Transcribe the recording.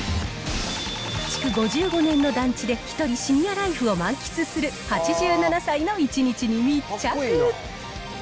築５５年の団地でひとりシニアライフを満喫する８７歳の一日に密着。